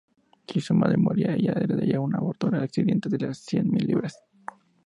Si su madre moría, ella heredaría una fortuna ascendiente a las cien-mil libras.